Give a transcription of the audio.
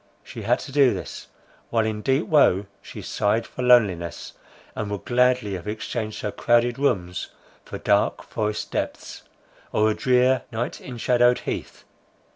She had to do this, while in deep woe she sighed for loneliness, and would gladly have exchanged her crowded rooms for dark forest depths, or a drear, night enshadowed heath.